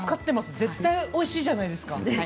絶対おいしいじゃないですか。